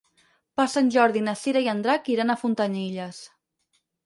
Per Sant Jordi na Cira i en Drac iran a Fontanilles.